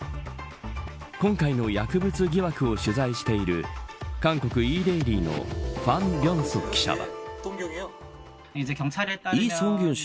今回の薬物疑惑を取材している韓国・イーデイリーのファン・ビョンソ記者は。